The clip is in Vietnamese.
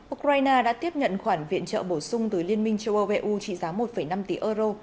ukraine đã tiếp nhận khoản viện trợ bổ sung từ liên minh châu âu eu trị giá một năm tỷ euro